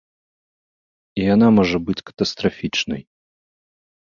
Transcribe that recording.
І яна можа быць катастрафічнай.